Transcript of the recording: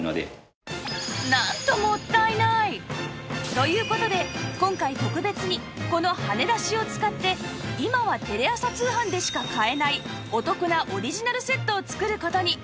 という事で今回特別にこのはねだしを使って今はテレ朝通販でしか買えないお得なオリジナルセットを作る事に